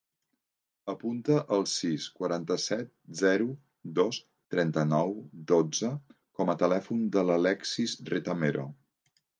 Apunta el sis, quaranta-set, zero, dos, trenta-nou, dotze com a telèfon de l'Alexis Retamero.